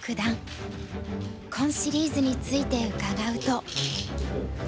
今シリーズについて伺うと。